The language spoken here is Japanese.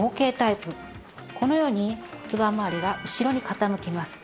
このように骨盤まわりが後ろに傾きます。